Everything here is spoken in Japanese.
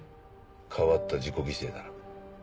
変わった自己犠牲だな。